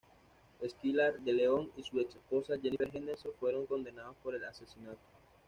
Skylar DeLeon y su ex esposa Jennifer Henderson fueron condenados por el asesinato.